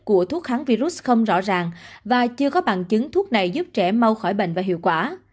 của thuốc kháng virus không rõ ràng và chưa có bằng chứng thuốc này giúp trẻ mau khỏi bệnh và hiệu quả